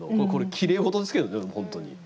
きれいごとですけどね、本当に。